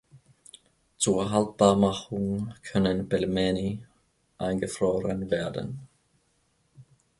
Zur Haltbarmachung können Pelmeni eingefroren werden.